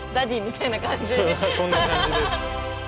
そんな感じです。